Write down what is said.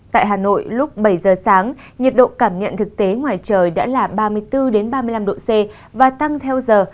tại hà nội lúc bảy giờ sáng nhiệt độ cảm nhận thực tế ngoài trời đã là ba mươi bốn ba mươi năm độ c và tăng theo giờ